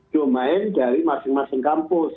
domain dari masing masing kampus